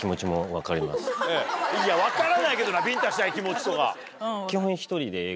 いや分からないけどなビンタしたい気持ちとか。